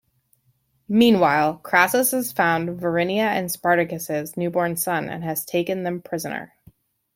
Meanwhile, Crassus has found Varinia and Spartacus's newborn son and has taken them prisoner.